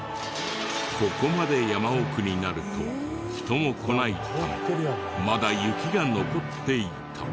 ここまで山奥になると人も来ないためまだ雪が残っていた。